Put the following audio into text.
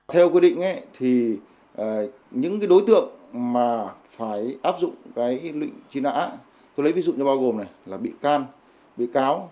theo quy định thì những cái đối tượng mà phải áp dụng cái lệnh truy nã tôi lấy ví dụ như bao gồm này là bị can bị cáo